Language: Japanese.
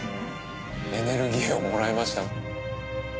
エネルギーをもらいました。